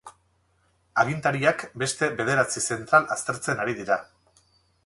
Agintariak beste bederatzi zentral aztertzen ari dira.